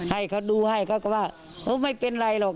ให้เขาดูให้เขาก็ว่าไม่เป็นไรหรอก